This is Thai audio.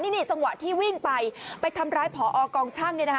นี่จังหวะที่วิ่งไปไปทำร้ายผอกองช่าง